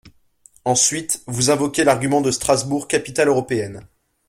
Ensuite, vous invoquez l’argument de Strasbourg capitale européenne.